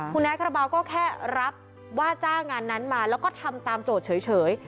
คุณแอคาราบาลก็แค่รับว่าจ้างงานนั้นมาแล้วก็ทำตามโจทย์เฉย